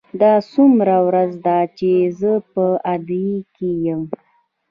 دا څوومه ورځ ده چې زه په اردن کې یم.